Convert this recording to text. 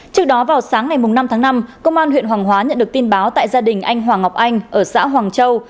trước đó vào sáng ngày năm tháng năm công an huyện hoàng hóa nhận được tin báo tại gia đình anh hoàng ngọc anh ở xã hoàng châu